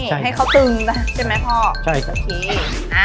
ให้เค้าตึงน่ะใช่ไหมพ่อใช่ค่ะ